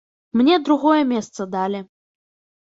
Мне другое месца далі.